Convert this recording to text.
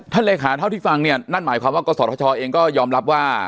เลขาเท่าที่ฟังเนี่ยนั่นหมายความว่ากศธชเองก็ยอมรับว่า